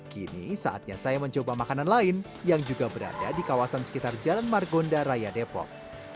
kini saatnya saya mencoba makanan lain yang juga berada di kawasan sekitar jalan margonda raya depok